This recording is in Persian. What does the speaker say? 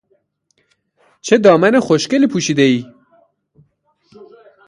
چه دامن خوشگلی پوشیدهای!